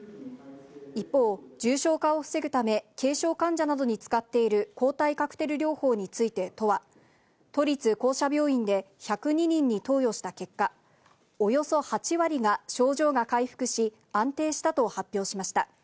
一方、重症化を防ぐため、軽症患者などに使っている抗体カクテル療法について、都は、都立・公社病院で１０２人に投与した結果、およそ８割が症状が回復し、安定したと発表しました。